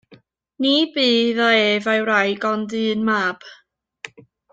Ni bu iddo ef a'i wraig ond un mab.